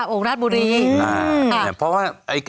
โอ่งราชบุรี